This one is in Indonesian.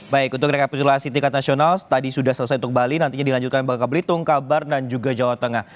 baik untuk rekapitulasi tingkat nasional tadi sudah selesai untuk bali nantinya dilanjutkan bangka belitung kabar dan juga jawa tengah